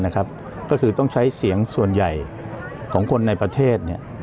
ก็คือต้องใช้เสียงส่วนใหญ่ของคนในประเทศ